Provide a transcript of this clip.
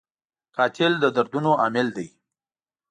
قاتل د دردونو عامل دی